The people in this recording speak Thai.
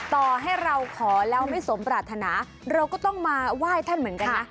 ต่อให้เราขอแล้วไม่สมปรารถนาเราก็ต้องมาไหว้ท่านเหมือนกันนะ